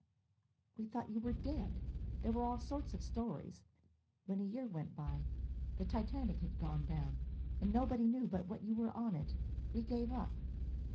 "We thought you were dead. There were all sorts of stories. When a year went by the Titanic had gone down, and nobody knew but what you were on it we gave up.